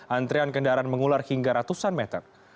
antrian kendaraan mengular hingga ratusan meter